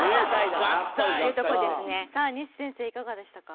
さあ西先生いかがでしたか？